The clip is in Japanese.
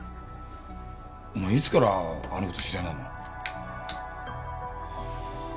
お前いつからあのコと知り合いなの？